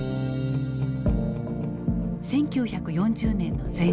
１９４０年の前半。